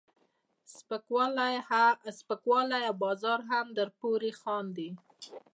سپکوالی او بازار هم درپورې خاندي.